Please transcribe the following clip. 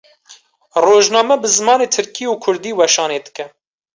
Rojname bi zimanê Tirkî û Kurdî weşanê dike.